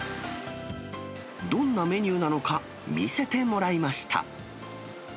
どんなメニューなのか、見せてもらいました。